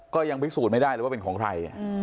ก็ยังพิสูจน์ไม่ได้เลยว่าเป็นของใคร